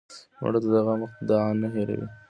مړه ته د غم وخت دعا نه هېروې